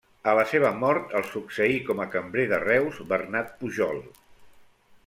A la seva mort el succeí com a cambrer de Reus Bernat Pujol.